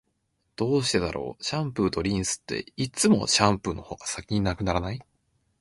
どうしてだろう、シャンプーとリンスって、いつもシャンプーの方が先に無くならない？